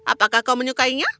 apakah kau menyukainya